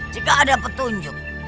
jika ada petunjuk